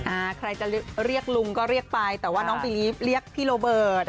อ่าใครจะเรียกลุงก็เรียกไปแต่ว่าน้องบีรีฟเรียกพี่โรเบิร์ต